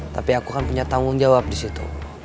tapi aku kan punya tanggung jawab disitu